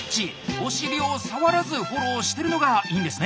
お尻を触らずフォローしてるのがいいんですね！